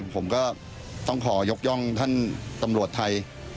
ผมก็ต้องขอยกย่องท่านตำรวจไทย